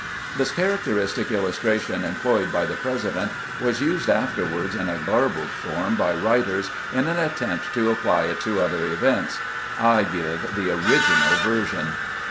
This characteristic illustration employed by the Presi dent was used afterward in a garbled form by writers, in an attempt to apply it to other events. I give the original version.